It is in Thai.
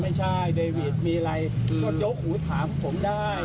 ไม่ใช่เดวิดมีอะไรก็ยกหูถามผมได้